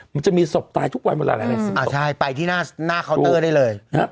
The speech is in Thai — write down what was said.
มันจะมีศพตายทุกวันหมดแล้วหลายสิบอ่าใช่ไปที่หน้าเคาน์เตอร์ได้เลย